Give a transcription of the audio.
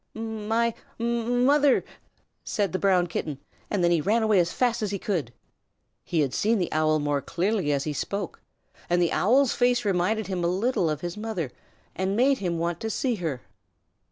"My m mother," said the Brown Kitten, and then he ran away as fast as he could. He had seen the Owl more clearly as he spoke, and the Owl's face reminded him a little of his mother and made him want to see her.